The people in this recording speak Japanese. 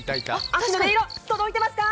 音色、届いてますか？